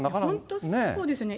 本当そうですよね。